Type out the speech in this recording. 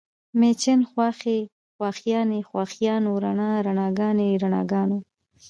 مېچن، خواښې، خواښیانې، خواښیانو، رڼا، رڼاګانې، رڼاګانو